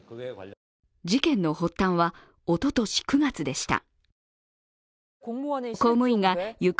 事件の発端はおととし９月でした。